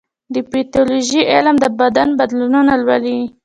د پیتالوژي علم د بدن بدلونونه لولي.